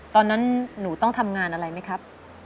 ตอนนั้นหนูต้องทำงานอะไรไหมครับ